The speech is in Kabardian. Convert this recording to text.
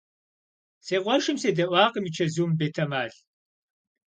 Си къуэшым седэӀуакъым и чэзум, бетэмал.